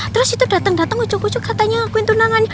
terus itu dateng dateng ujung ujung katanya ngakuin tunangan